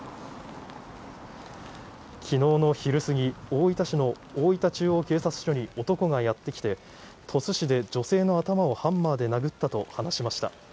昨日の昼過ぎ、大分市の大分中央警察署に男がやってきて鳥栖市で女性の頭をハンマーで殴ったと話しました。